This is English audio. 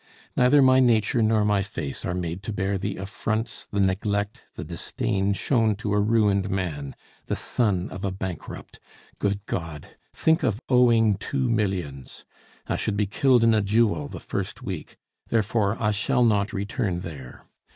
Neither my nature nor my face are made to bear the affronts, the neglect, the disdain shown to a ruined man, the son of a bankrupt! Good God! think of owing two millions! I should be killed in a duel the first week; therefore I shall not return there.